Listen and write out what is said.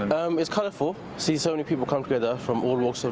saya melihat banyak orang datang dari seluruh jalan hidup